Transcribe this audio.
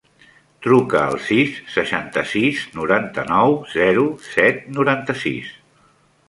Truca al sis, seixanta-sis, noranta-nou, zero, set, noranta-sis.